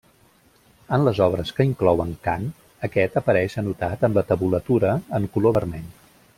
En les obres que inclouen cant, aquest apareix anotat en la tabulatura en color vermell.